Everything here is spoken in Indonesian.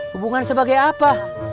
hubungan sebagai apa